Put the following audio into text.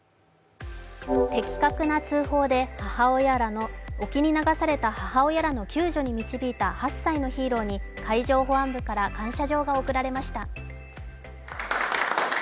的確な通報で沖に流された母親らの救助に導いた８歳のヒーローに海上保安部から感謝状が贈られました。